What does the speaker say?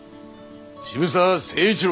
渋沢成一郎。